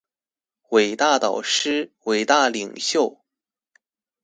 偉大導師、偉大領袖